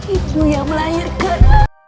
ibu yang melahirkan